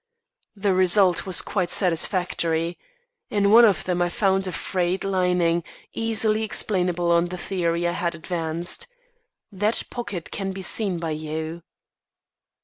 The result was quite satisfactory. In one of them I found a frayed lining, easily explainable on the theory I had advanced. That pocket can be seen by you.